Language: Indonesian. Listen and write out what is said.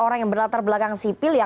orang yang berlatar belakang sipil ya